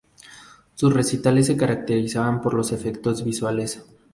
Sus recitales se caracterizaban por los efectos visuales.